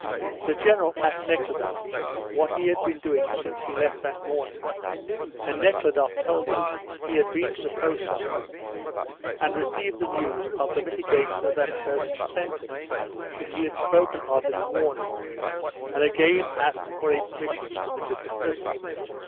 The General asked Nekhludoff what he had been doing since he left that morning, and Nekhludoff told him he had been to the post office and received the news of the mitigation of that person's sentence that he had spoken of in the morning, and again asked for a permission to visit the prison.